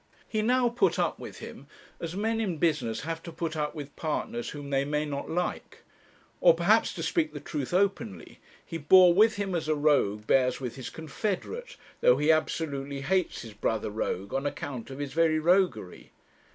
He now put up with him as men in business have to put up with partners whom they may not like; or, perhaps, to speak the truth openly, he bore with him as a rogue bears with his confederate, though he absolutely hates his brother rogue on account of his very roguery.